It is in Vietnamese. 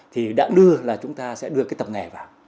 thì đã đưa là chúng ta sẽ đưa cái tập nghề vào